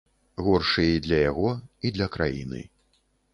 Горшы і для яго, і для краіны.